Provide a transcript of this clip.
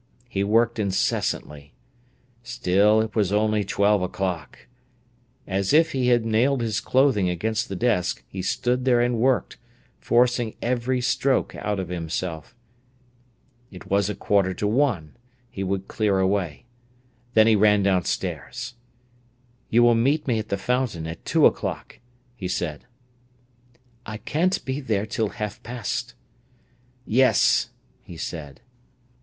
He worked incessantly. Still it was only twelve o'clock. As if he had nailed his clothing against the desk, he stood there and worked, forcing every stroke out of himself. It was a quarter to one; he could clear away. Then he ran downstairs. "You will meet me at the Fountain at two o'clock," he said. "I can't be there till half past." "Yes!" he said.